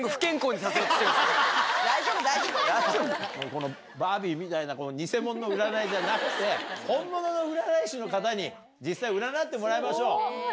このバービーみたいなニセモノの占いじゃなくて本物の占い師の方に実際占ってもらいましょう。